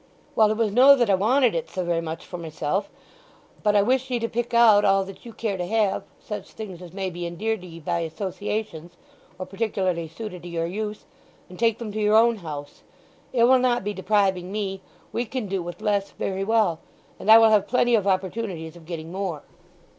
"Well, it was no that I wanted it so very much for myself; but I wish ye to pick out all that you care to have—such things as may be endeared to ye by associations, or particularly suited to your use. And take them to your own house—it will not be depriving me, we can do with less very well, and I will have plenty of opportunities of getting more."